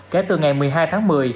kể từ ngày một mươi hai tháng một mươi